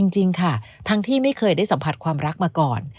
จริงค่ะทั้งที่ไม่เคยได้สัมผัสความรักมาก่อน